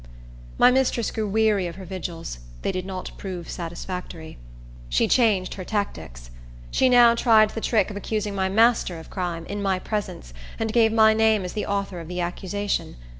My mistress grew weary of her vigils; they did not prove satisfactory. She changed her tactics. She now tried the trick of accusing my master of crime, in my presence, and gave my name as the author of the accusation.